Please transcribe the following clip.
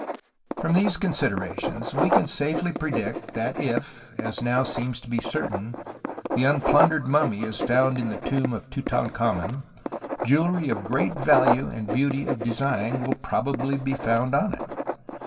From these considerations we can safely predict that if, as seems now to be certain, the unplundered mummy is found in the tomb of Tutankhamen jewellery of great value and beauty of design will probably be found on it.